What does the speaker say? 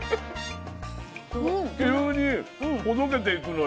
急にほどけていくのよ。